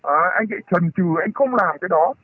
anh lại trần trừ anh không làm cái đó